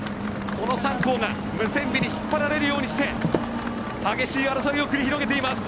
この３校がムセンビに引っ張られるようにして激しい争いを繰り広げています。